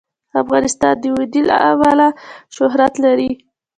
افغانستان د وادي له امله شهرت لري.